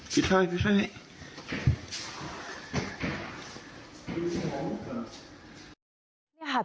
พี่ชัยพี่ชัย